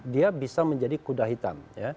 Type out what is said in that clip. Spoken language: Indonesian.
dia bisa menjadi kuda hitam